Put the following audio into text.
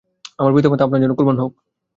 আমার পিতামাতা আপনার জন্য কুরবান হোক।